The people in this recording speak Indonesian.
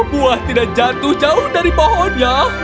buah tidak jatuh jauh dari pohonnya